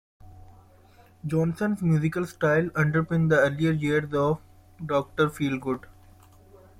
Johnson's musical style underpinned the early years of Doctor Feelgood.